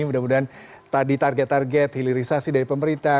mudah mudahan tadi target target hilirisasi dari pemerintah